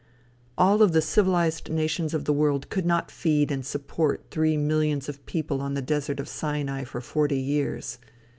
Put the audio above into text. All of the civilized nations of the world could not feed and support three millions of people on the desert of Sinai for forty years.